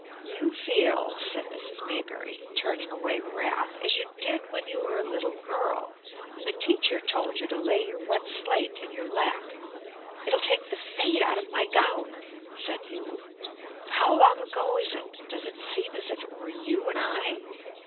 "You feel," said Mrs. Maybury, turning away wrath, "as you did when you were a little girl, and the teacher told you to lay your wet slate in your lap: 'It'll take the fade out of my gown,' said you. How long ago is it! Does it seem as if it were you and I?"